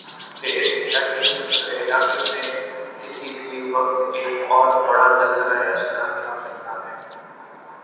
کہ اس علاقی میں کسی بھی وقت ایک اوربڑا زلزلہ یاسونامی آسکتا ہی۔